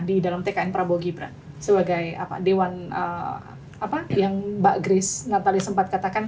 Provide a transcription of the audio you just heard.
di dalam tkn prabowo gibran sebagai apa dewan apa yang mbak grace natali sempat katakan